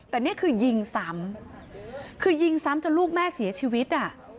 แต่นี่คือยิงซ้ำคือยิงซ้ำจนลูกแม่เสียชีวิตอ่ะ